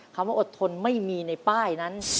ว่าอดทนไม่มีในป้ายนั้น